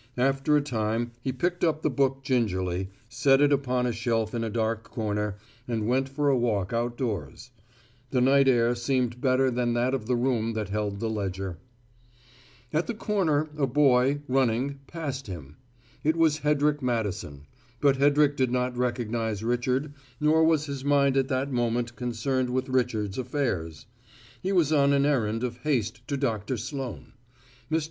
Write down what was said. After a time, he picked up the book gingerly, set it upon a shelf in a dark corner, and went for a walk outdoors. The night air seemed better than that of the room that held the ledger. At the corner a boy, running, passed him. It was Hedrick Madison, but Hedrick did not recognize Richard, nor was his mind at that moment concerned with Richard's affairs; he was on an errand of haste to Doctor Sloane. Mr.